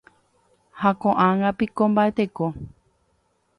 Ha koʼág̃a piko mbaʼeteko?